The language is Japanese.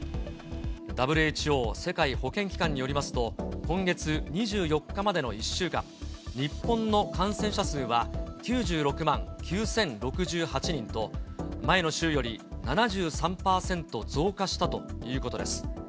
ＷＨＯ・世界保健機関によりますと、今月２４日までの１週間、日本の感染者数は９６万９０６８人と、前の週より７３％増加したということです。